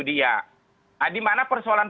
dia nah di mana persoalan